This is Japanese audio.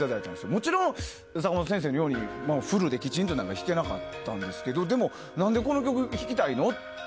もちろん、坂本先生のようにフルできちんとなんか弾けなかったですけどでも、何でこの曲を弾きたいの？って